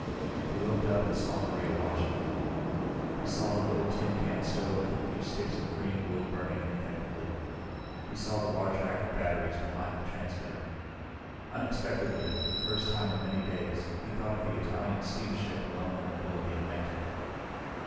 He looked up and saw Maria watching him. He saw the little tin can stove with a few sticks of green wood burning ineffectively. He saw the large rack of batteries behind the transmitter. Unexpectedly, for the first time in many days, he thought of the Italian steamship alone in the middle of the Atlantic.